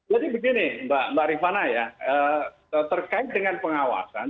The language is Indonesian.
jadi begini mbak rifana ya terkait dengan pengawasan